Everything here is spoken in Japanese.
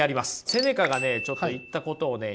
セネカがねちょっと言ったことをね